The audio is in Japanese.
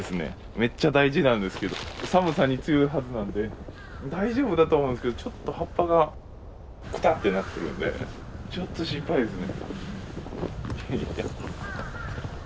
めっちゃ大事なんですけど寒さに強いはずなんで大丈夫だとは思うんですけどちょっと葉っぱがクタッってなってるんでちょっと心配ですね。